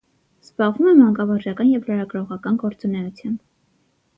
Զբաղվում է մանկավարժական և լրագրողական գործունեությամբ։